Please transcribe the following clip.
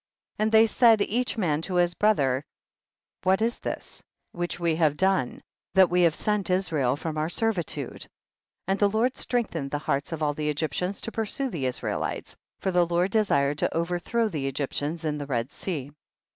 20. And they said each man to his brother, what is this which we have done, that we have sent Israel from our servitude ? 21. And the Lord strengthened the hearts of all the Egyptians to pur sue the Israelites, for the Lord de sired to overthrow the Egyptians in the Red Sea.